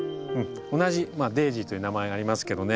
同じデージーという名前がありますけどね。